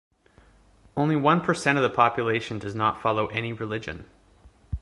Only one percent of the population does not follow any religion.